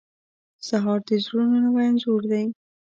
سهار د زړونو نوی انځور دی.